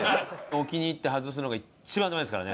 置きに行って外すのが一番ダメですからね